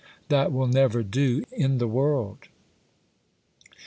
That will never do in the world!